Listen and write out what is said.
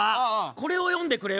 これを詠んでくれよ。